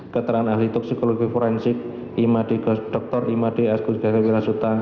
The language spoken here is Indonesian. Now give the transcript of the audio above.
keterangan ahli toksikologi forensik dr imade asgud gajahwilasutra